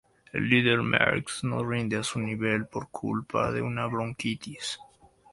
El líder Merckx no rinde a su nivel por culpa de una bronquitis.